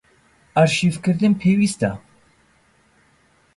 ئەرشیڤکردن پێویستە.